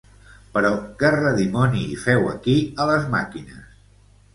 Però què redimoni hi feu, aquí a les màquines?